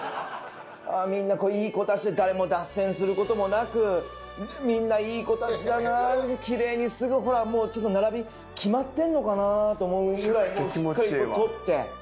みんないい子たちで誰も脱線することもなくみんないい子たちだなきれいにすぐほらもう並び決まってんのかなと思うぐらいしっかりと撮って。